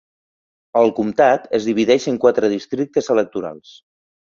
El comtat es divideix en quatre districtes electorals.